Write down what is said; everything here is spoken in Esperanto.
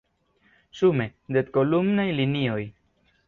Sume, dek kolumnaj linioj.